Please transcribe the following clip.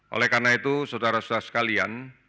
oleh karena itu saudara saudara sekalian